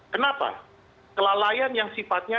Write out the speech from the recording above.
kenapa kelalaian yang sifatnya